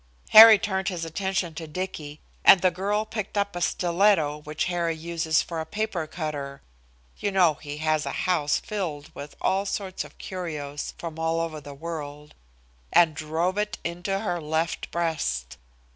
"Harry turned his attention to Dicky, and the girl picked up a stiletto, which Harry uses for a paper cutter you know he has the house filled with all sorts of curios from all over the world and drove it into her left breast.